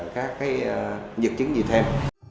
các cái vật chứng gì thêm